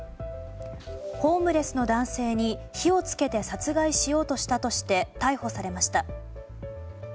ホームレスの男性に火をつけて殺害しようとしたとして逮捕されました。